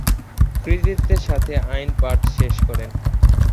কৃতিত্বের সাথে আইন পাঠ শেষ করেন।